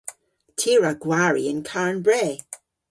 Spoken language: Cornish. Ty a wra gwari yn Karn Bre.